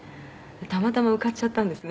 「たまたま受かっちゃったんですね」